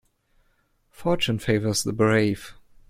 Fortune favours the brave.